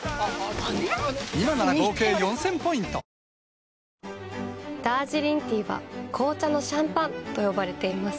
キッコーマンダージリンティーは紅茶のシャンパンと呼ばれています。